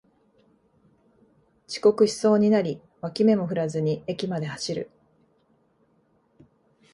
遅刻しそうになり脇目も振らずに駅まで走る